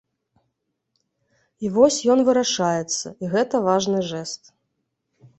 І вось ён вырашаецца, і гэта важны жэст.